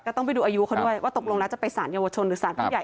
ต้องไปดูอายุเขาด้วยว่าตกลงแล้วจะไปสารเยาวชนหรือสารผู้ใหญ่